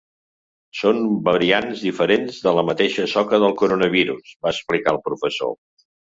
“Són variants diferents de la mateixa soca del coronavirus”, va explicar el professor.